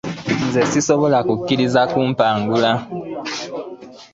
Nze ssisobola kukkiriza kumpangula.